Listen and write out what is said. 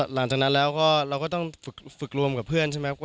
หลังจากนั้นเราก็ต้องฝึกรวมกับเพื่อนใช่ไหมครับ